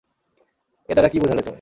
এ দ্বারা কী বুঝালে তুমি?